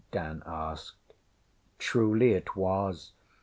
ŌĆÖ Dan asked. ŌĆśTruly, it was.